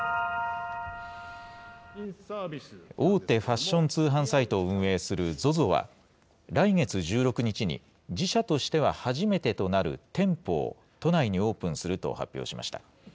大手ファッション通販サイトを運営するＺＯＺＯは、来月１６日に、自社としては初めてとなる店舗を、都内にオープンすると発表しました。